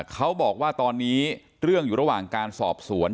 เขาบอกว่าตอนนี้เรื่องอยู่ระหว่างการสอบสวน